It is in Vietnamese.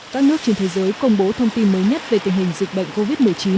các nước trên thế giới công bố thông tin mới nhất về tình hình dịch bệnh covid một mươi chín